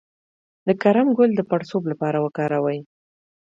د کرم ګل د پړسوب لپاره وکاروئ